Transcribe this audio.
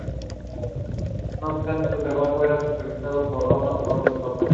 A los dieciocho años fue designado profesor de arte en la Escuela de Medicina.